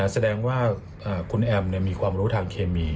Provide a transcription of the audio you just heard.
แสดงว่าคุณแอมมีความรู้ทางเคมี